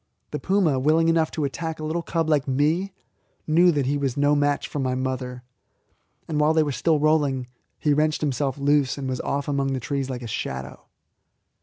The puma, willing enough to attack a little cub like me, knew that he was no match for my mother, and while they were still rolling he wrenched himself loose, and was off among the trees like a shadow.